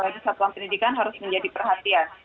di satuan pendidikan harus menjadi perhatian